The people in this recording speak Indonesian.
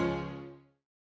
sampai jumpa lagi